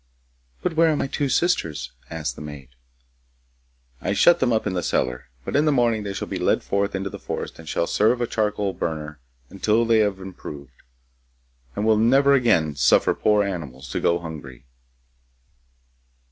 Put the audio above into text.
'But where are my two sisters?' asked the maid. 'I shut them up in the cellar, but in the morning they shall be led forth into the forest and shall serve a charcoal burner until they have improved, and will never again suffer poor animals to go hungry.